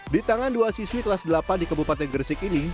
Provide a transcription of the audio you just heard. di tangan dua siswi kelas delapan di kebupaten gresik ini